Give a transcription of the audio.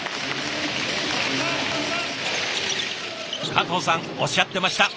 加藤さんおっしゃってました。